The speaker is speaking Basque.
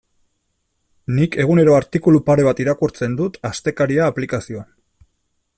Nik egunero artikulu pare bat irakurtzen dut Astekaria aplikazioan.